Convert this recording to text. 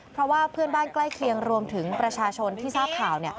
เพราะว่าเพื่อนบ้านใกล้เคียงรวมถึงประชาชนที่ทราบข่าว